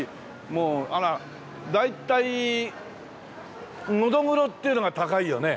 もうあら大体ノドグロっていうのが高いよね？